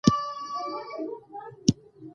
زه مهربانه یم.